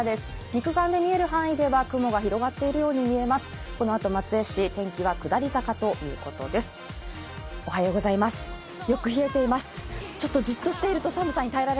肉眼で見える範囲では雲が広がっているように見えます。